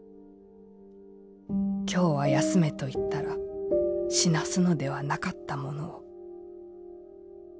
「今日は休めと言ったら死なすのではなかったものを」。